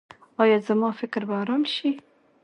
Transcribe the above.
ایا زما فکر به ارام شي؟